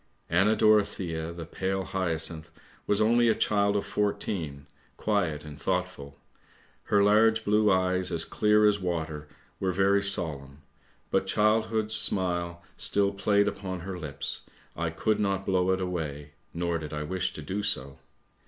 " Anna Dorothea, the pale hyacinth, was only a child of fourteen, quiet and thoughtful. Her large blue eyes as clear as water were very solemn, but childhood's smile still played upon her lips, I could not blow it away, nor did I wish to do so.